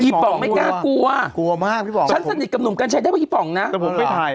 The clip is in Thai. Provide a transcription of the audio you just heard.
แต่ผมไม่ค่อยเจอนะผมไม่ค่อยเจออะไรผมมีเผื่อใช้ได้กว่ายี่ปำลังนะ